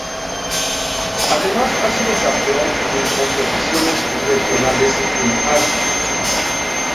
Además, ha sido campeón en competiciones regionales en Asia.